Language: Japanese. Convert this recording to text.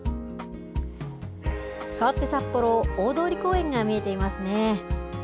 かわって札幌、大通公園が見えていますね。